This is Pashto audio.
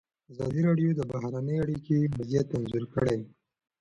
ازادي راډیو د بهرنۍ اړیکې وضعیت انځور کړی.